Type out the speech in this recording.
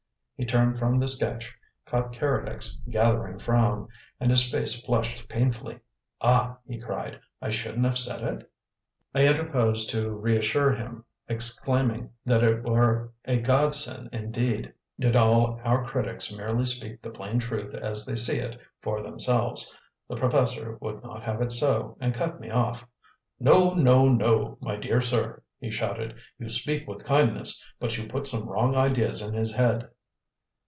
He turned from the sketch, caught Keredec's gathering frown, and his face flushed painfully. "Ah!" he cried, "I shouldn't have said it?" I interposed to reassure him, exclaiming that it were a godsend indeed, did all our critics merely speak the plain truth as they see it for themselves. The professor would not have it so, and cut me off. "No, no, no, my dear sir!" he shouted. "You speak with kindness, but you put some wrong ideas in his head!"